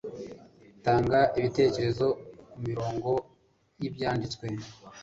tanga ibitekerezo ku mirongo y Ibyanditswe